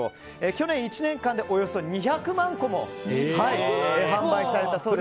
去年１年間でおよそ２００万個も販売されたそうです。